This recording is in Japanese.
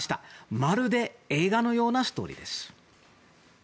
まるで映画のようなストーリーです。